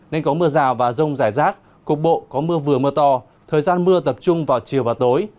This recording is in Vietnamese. nên có mưa rào và rông rải rác cục bộ có mưa vừa mưa to thời gian mưa tập trung vào chiều và tối